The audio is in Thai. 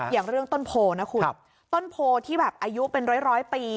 อย่างเรื่องต้นโพลนะคุณต้นโพที่แบบอายุเป็นร้อยปี